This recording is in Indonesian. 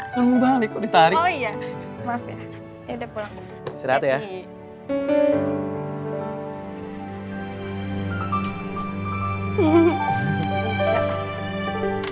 kamu balik kok ditarik